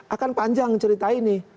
akan panjang cerita ini